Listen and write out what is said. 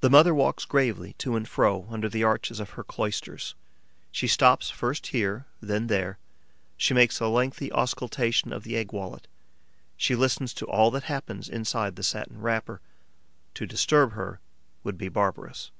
The mother walks gravely to and fro under the arches of her cloisters, she stops first here, then there; she makes a lengthy auscultation of the egg wallet; she listens to all that happens inside the satin wrapper. To disturb her would be barbarous.